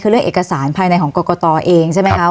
คือเรื่องเอกสารภายในของกรกตเองใช่ไหมคะ